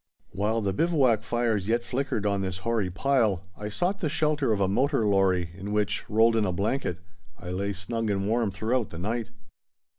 While the bivouac fires yet flickered on this hoary pile I sought the shelter of a motor lorry, in which, rolled in a blanket, I lay snug and warm throughout the night.